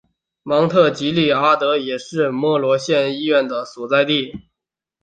芒特吉利阿德也是莫罗县医院的所在地。